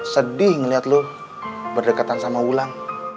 sedih ngeliat lu berdekatan sama ulang